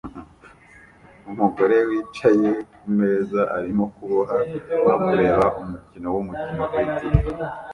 Umugore wicaye kumeza arimo kuboha no kureba umukino wumukino kuri TV